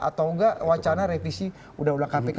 atau nggak wacana revisi udang udang kpk